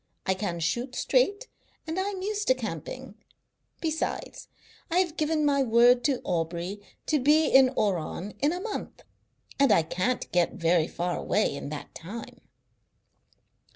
I can shoot straight and I am used to camping. Besides, I have given my word to Aubrey to be in Oran in a month, and I can't get very far away in that time."